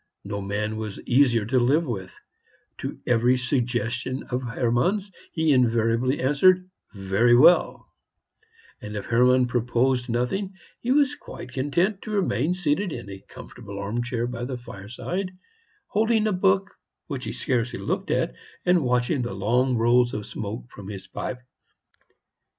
No man was easier to live with: to every suggestion of Hermann's he invariably answered, "Very well;" and if Hermann proposed nothing, he was quite content to remain seated in a comfortable arm chair by the fireside, holding a book which he scarcely looked at, and watching the long rolls of smoke from his pipe.